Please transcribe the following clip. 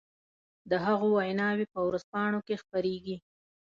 د هغو ويناوې په ورځپانو کې خپرېږي.